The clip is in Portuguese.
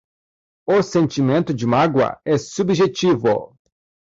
O sentimento de mágoa é subjetivo